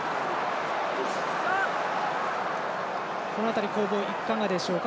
この辺りの攻防、いかがでしょうか？